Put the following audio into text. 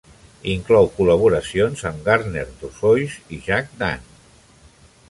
Inclou col·laboracions amb Gardner Dozois i Jack Dann.